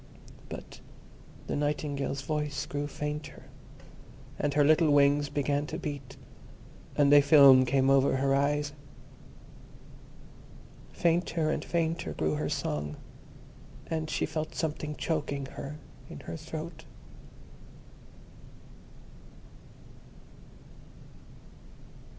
But the Nightingale's voice grew fainter, and her little wings began to beat, and a film came over her eyes. Fainter and fainter grew her song, and she felt something choking her in her throat.